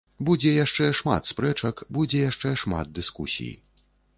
Будзе яшчэ шмат спрэчак, будзе яшчэ шмат дыскусій.